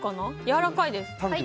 やわらかいです。